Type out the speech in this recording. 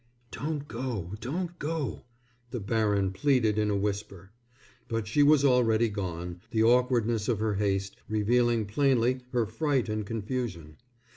"Don't go, don't go," the baron pleaded in a whisper. But she was already gone, the awkwardness of her haste revealing plainly her fright and confusion.